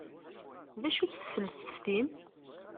D acu-tt tfelseft-im?